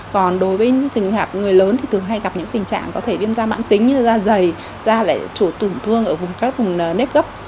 còn đối với những trường hợp người lớn thì thường hay gặp những tình trạng có thể viêm da mãn tính như da dày da lại chủ tổn thương ở vùng các vùng nếp gấp